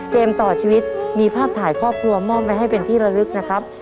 เกมต่อชีวิตมีภาพถ่ายครอบครัวมอบไว้ให้เป็นที่ระลึกนะครับ